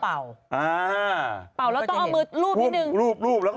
พาแล้วต้องเอามืดลูบนิดหนึ่ง